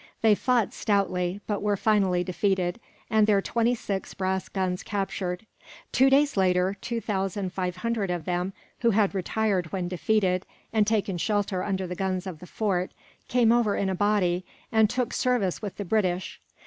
They fought stoutly, but were finally defeated, and their twenty six brass guns captured. Two days later, two thousand five hundred of them, who had retired when defeated, and taken shelter under the guns of the fort, came over in a body and took service with the British.